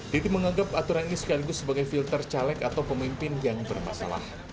titi menganggap aturan ini sekaligus sebagai filter caleg atau pemimpin yang bermasalah